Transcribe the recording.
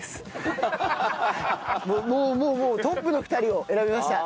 もうもうもうトップの２人を選びました。